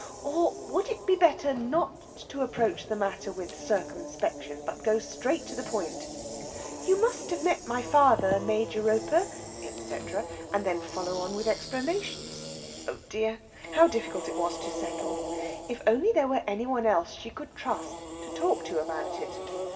Or would it be better not to approach the matter with circumspection, but go straight to the point "You must have met my father, Major Roper, etc.," and then follow on with explanations? Oh dear, how difficult it was to settle! If only there were any one she could trust to talk to about it!